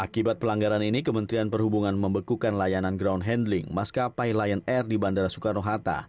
akibat pelanggaran ini kementerian perhubungan membekukan layanan ground handling maskapai lion air di bandara soekarno hatta